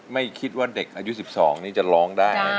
ไม่คิดว่าเด็กอายุ๑๒นี่จะร้องได้เลย